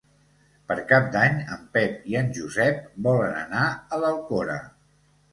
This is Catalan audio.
Per Cap d'Any en Pep i en Josep volen anar a l'Alcora.